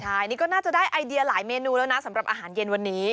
ใช่นี่ก็น่าจะได้ไอเดียหลายเมนูแล้วนะสำหรับอาหารเย็นวันนี้